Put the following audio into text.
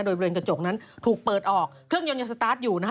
โดยบริเวณกระจกนั้นถูกเปิดออกเครื่องยนต์ยังสตาร์ทอยู่นะฮะ